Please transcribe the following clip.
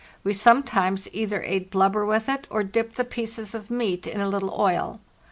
We sometimes either ate blubber with it or dipped the pieces of meat in a little oil.